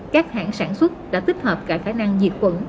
các hãng sản xuất đã tích hợp cả khả năng diệt quẩn